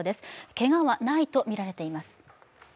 けがはないとみられています。